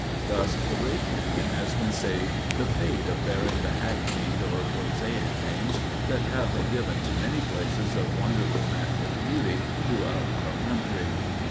Thus the great cañon has been saved the fate of bearing the hackneyed or prosaic names that have been given to many places of wonderful natural beauty throughout our country.